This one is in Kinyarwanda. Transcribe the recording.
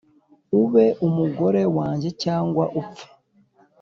ube umugore wanjye cyangwa upfe